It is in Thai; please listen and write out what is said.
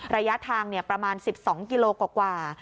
ระยะทางประมาณ๑๒กิโลกว่า